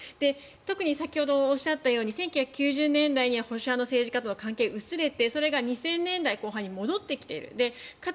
特に先ほどおっしゃったように１９９０年代には保守派の政治家との関係が薄れて２０００年代後半に戻ってきている。